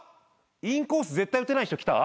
インコース絶対打てない人来た？